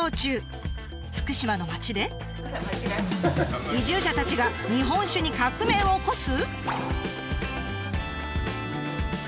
福島の町で移住者たちが日本酒に革命を起こす！？